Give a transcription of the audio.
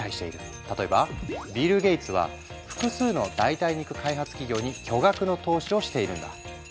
例えばビル・ゲイツは複数の代替肉開発企業に巨額の投資をしているんだ。